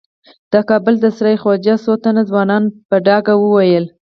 د کابل د سرای خوجې څو تنو ځوانانو په ډاګه وويل.